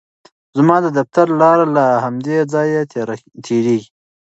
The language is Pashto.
زما د دفتر لاره له همدې ځایه تېریږي.